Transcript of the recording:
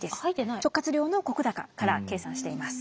直轄領の石高から計算しています。